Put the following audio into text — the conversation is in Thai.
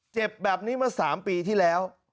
เจ็บแบบนี้มา๓ปีที่แล้ว